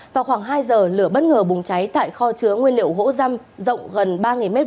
vào khoảng hai giờ lửa bất ngờ bùng cháy tại kho chứa nguyên liệu gỗ răm rộng gần ba m hai